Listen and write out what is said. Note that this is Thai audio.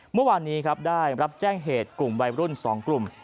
เมื่อวานนี้ครับได้รับแจ้งเหตุกลุ่มวัยรุ่น๒กลุ่ม